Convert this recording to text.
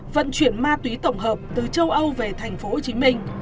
vận chuyển ma túy tổng hợp từ châu âu về tp hcm